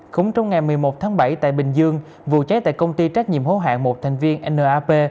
cũng trong ngày một mươi một tháng bảy tại bình dương vụ cháy tại công ty trách nhiệm hữu hạng một thành viên nap